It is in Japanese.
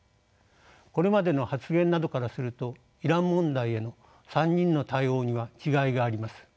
これまでの発言などからするとイラン問題への３人の対応には違いがあります。